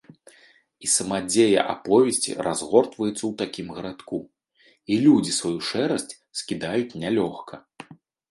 І сама дзея аповесці разгортваецца ў такім гарадку, і людзі сваю шэрасць скідаюць нялёгка.